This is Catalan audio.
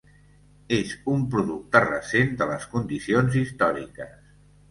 És un producte recent. de les condicions històriques.